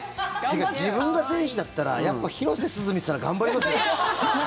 自分が選手だったらやっぱ広瀬すず見てたら頑張りますよ。